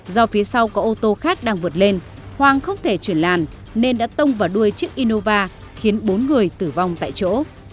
do phía sau có ô tô khác đang vượt lên hoàng không thể chuyển làn nên đã tông vào đuôi chiếc innova khiến bốn người tử vong tại chỗ